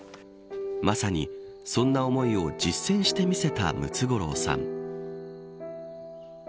まさに、そんな思いを実践してみせたムツゴロウさん。